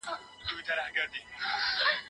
ونه د هغې یوازینی مخاطب ده.